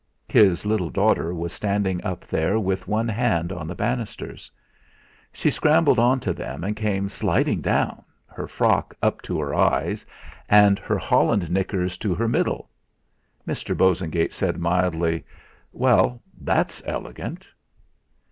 His little daughter was standing up there with one hand on the banisters. She scrambled on to them and came sliding down, her frock up to her eyes, and her holland knickers to her middle. Mr. Bosengate said mildly: "Well, that's elegant!"